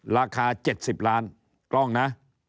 ราคา๗๐ล้านกล้องนะ